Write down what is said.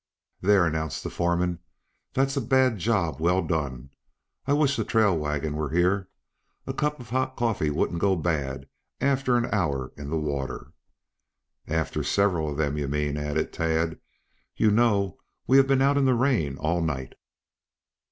"There!" announced the foreman. "That's a bad job well done. I wish the trail wagon were here. A cup of hot coffee wouldn't go bad after an hour in the water." "After several of them, you mean," added Tad. "You know we have been out in the rain all night."